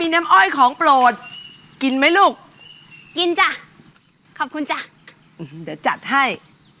น้ำอ้อยของโปรดกินไหมลูกกินจ้ะขอบคุณจ้ะเดี๋ยวจัดให้